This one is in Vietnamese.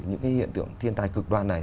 những cái hiện tượng thiên tai cực đoan này